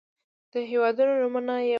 د هېوادونو نومونه يې واخلئ.